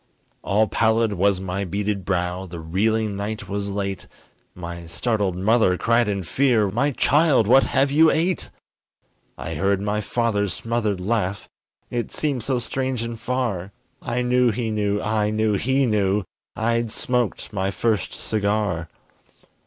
All pallid was my beaded brow, The reeling night was late, My startled mother cried in fear, "My child, what have you ate?" I heard my father's smothered laugh, It seemed so strange and far, I knew he knew I knew he knew I'd smoked my first cigar!